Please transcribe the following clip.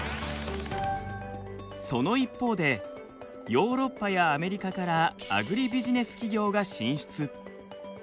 その一方でヨーロッパやアメリカからアグリビジネス企業が進出。